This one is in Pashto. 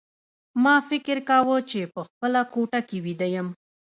ما فکر کاوه چې په خپله کوټه کې ویده یم